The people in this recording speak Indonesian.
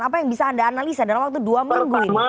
apa yang bisa anda analisa dalam waktu dua minggu ini